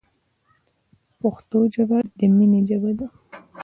پښتو ژبه د مینې ژبه ده.